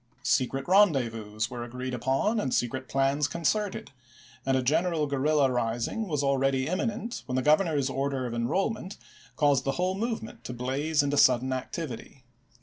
Secret rendezvous were agreed upon and secret plans concerted, and a gen eral guerrilla rising was already imminent when the Governor's order of enrollment caused the whole movement to blaze into sudden activity.